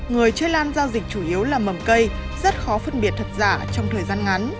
người chơi lan giao dịch chủ yếu là mầm cây rất khó phân biệt thật giả trong thời gian ngắn